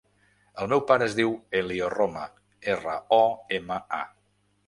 El meu pare es diu Elio Roma: erra, o, ema, a.